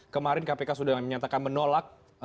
kemarin kpk sudah menyatakan menolak